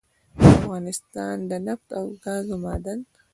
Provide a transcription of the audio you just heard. دافغانستان دنفت او ګازو معادن